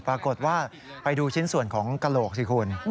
ปรากฏว่าไปดูชิ้นส่วนของกระโหลกสิคุณ